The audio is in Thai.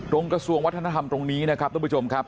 กระทรวงวัฒนธรรมตรงนี้นะครับทุกผู้ชมครับ